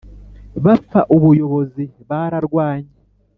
bapfa ubuyobozi bararwanye